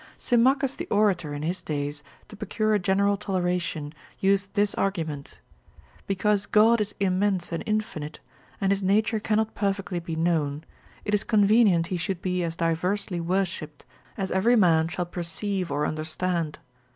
Symmachus the orator in his days, to procure a general toleration, used this argument, Because God is immense and infinite, and his nature cannot perfectly be known, it is convenient he should be as diversely worshipped, as every man shall perceive or understand.